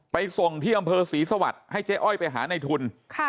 ไปส่งที่อำเภอศรีสวรรค์ให้เจ๊อ้อยไปหาในทุน